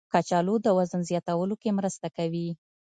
کچالو د وزن زیاتولو کې مرسته کوي.